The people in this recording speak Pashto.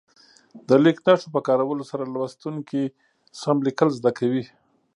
د لیک نښو په کارولو سره لوستونکي سم لیکل زده کوي.